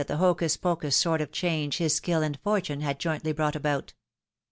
173 the hocus pocus sort of change his skill and fortune had jointly brought about.